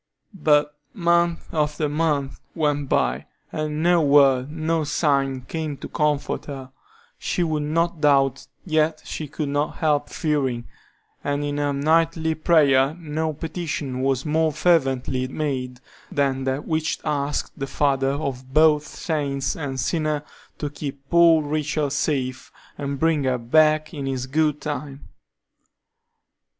But month after month went by, and no word, no sign came to comfort her. She would not doubt, yet she could not help fearing, and in her nightly prayer no petition was more fervently made than that which asked the Father of both saint and sinner to keep poor Rachel safe, and bring her back in his good time.